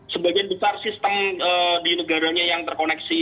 sebagian besar sistem di negaranya yang terkoneksi